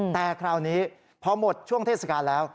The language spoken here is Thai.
แต่คราวนี้พอหมดช่วงเทศกาลแล้ว